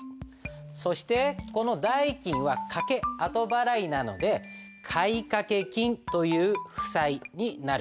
そしてこの代金は掛け後払いなので買掛金という負債になる。